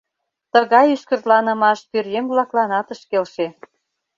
Тыгай ӱскыртланымаш пӧръеҥ-влакланат ыш келше.